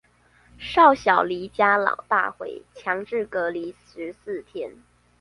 少小離家老大回，強制隔離十四天